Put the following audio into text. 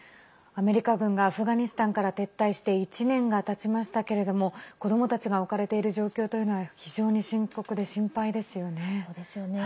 アメリカ軍がアフガニスタンから撤退して１年がたちましたけれども子どもたちが置かれている状況というのは非常に深刻で心配ですよね。